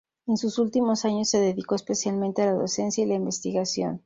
En sus últimos años se dedicó especialmente a la docencia y la investigación.